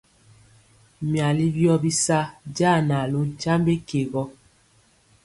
Myali wyɔ bisa janalu nkyambe ke gɔ.